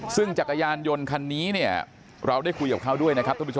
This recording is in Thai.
ซึ่งจักรยานยนต์ข่านี้เราได้คุยคราวด้วย